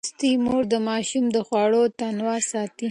لوستې مور د ماشوم د خوړو تنوع ساتي.